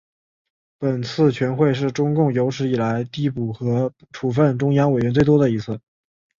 本次全会是中共有史以来递补和处分中央委员最多的一次。